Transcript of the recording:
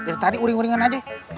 ya tadi uring uringan aja